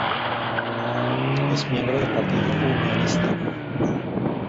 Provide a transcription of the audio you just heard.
Es miembro del Partido Unionista.